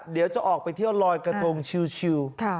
เดี๋ยวจะออกไปเที่ยวลอยกระทงชิล